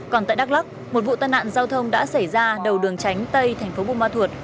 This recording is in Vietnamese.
còn tại đắk lắc một vụ tai nạn giao thông đã xảy ra đầu đường tránh tây thành phố buôn ma thuột